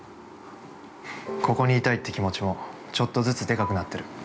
ここにいたいって気持ちも、ちょっとずつでかくなってる。